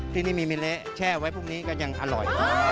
ที่นี่มีมิเละแช่ไว้พรุ่งนี้ก็ยังอร่อย